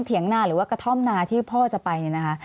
เงียงนาหรือว่ากระท่อมนาที่พ่อจะไปเนี่ยนะคะ